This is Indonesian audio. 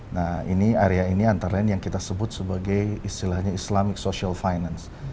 nah ini area ini antara lain yang kita sebut sebagai istilahnya islamic social finance